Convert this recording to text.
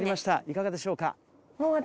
いかがでしょうか？